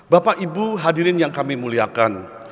bapak ibu hadirin yang kami muliakan